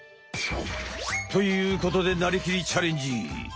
ということで「なりきり！チャレンジ！」。